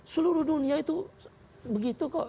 seluruh dunia itu begitu kok